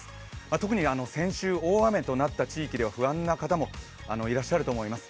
特に先週、大雨となった地域では不安な方もいらっしゃると思います。